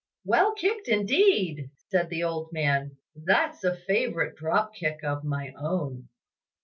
"Well kicked indeed!" said the old man, "that's a favourite drop kick of my own."